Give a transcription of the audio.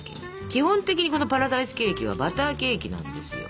基本的にこのパラダイスケーキはバターケーキなんですよ。